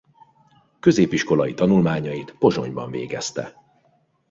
Középiskolai tanulmányait Pozsonyban végezte.